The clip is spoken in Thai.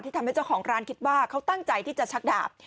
ทำให้เจ้าของร้านคิดว่าเขาตั้งใจที่จะชักดาบ